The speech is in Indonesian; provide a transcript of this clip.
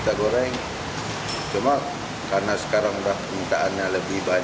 daging ayam kampung dan ciri khas daun temurui atau daun pandan pada masakan